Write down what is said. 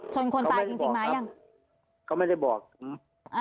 ชนคนตายจริงจริงมั้ยยังเขาไม่ได้บอกอ่าอืม